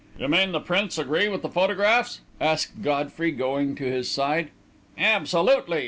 "You mean the prints agree with the photographs?" asked Godfrey, going to his side. "Absolutely!"